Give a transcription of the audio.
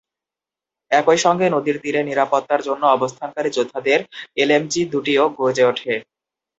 একই সঙ্গে নদীর তীরে নিরাপত্তার জন্য অবস্থানকারী যোদ্ধাদের এলএমজি দুটিও গর্জে ওঠে।